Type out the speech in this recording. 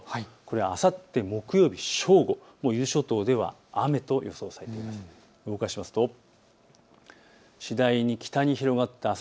あさって木曜日正午、伊豆諸島では雨の予想となっています。